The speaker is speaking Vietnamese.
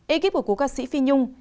ekip của cổ ca sĩ phi nhung